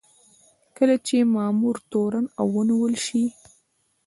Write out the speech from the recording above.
کله چې مامور تورن او ونیول شي.